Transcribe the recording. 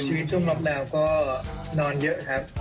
ชีวิตช่วงรอบแล้วก็นอนเยอะครับ